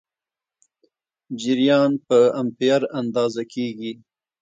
جریان په امپیر اندازه کېږي.